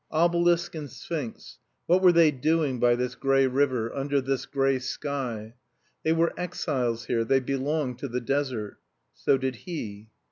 Obelisk and sphinx what were they doing by this gray river, under this gray sky? They were exiles here, they belonged to the Desert. So did he.